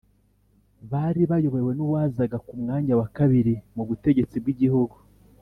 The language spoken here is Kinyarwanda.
bari bayobowe n'uwazaga ku mwanya wa kabiri mu butegetsi bw'igihugu,